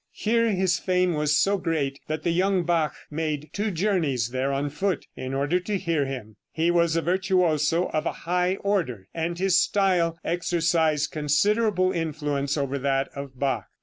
Here his fame was so great that the young Bach made two journeys there on foot, in order to hear him. He was a virtuoso of a high order, and his style exercised considerable influence over that of Bach.